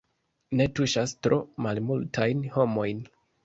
Ne, tuŝas tro malmultajn homojn.